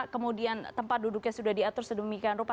kemudian tempat duduknya sudah diatur sedemikian rupa